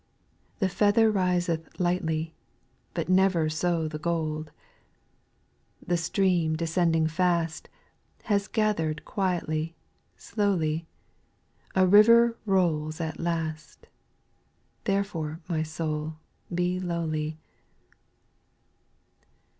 Hi The feather riseth lightly, But never 80 the gold I The stream descending fast, Has gathered quietly, slowly, A river rolls at last, — Therefore, my soul, be lowly.